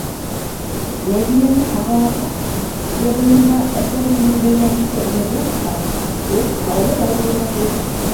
Мәҙинәне һағалаһа, йә булмаһа әсәһе менән бәйләнешкә инергә булһа, ул Таулыла булырға тейеш.